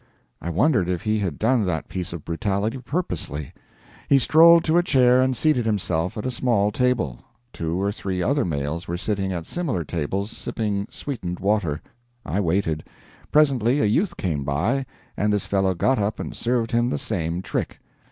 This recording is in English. I wondered if he had done that piece of brutality purposely. He strolled to a chair and seated himself at a small table; two or three other males were sitting at similar tables sipping sweetened water. I waited; presently a youth came by, and this fellow got up and served him the same trick.